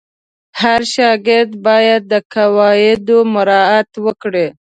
هر شاګرد باید د قواعدو مراعت وکړي.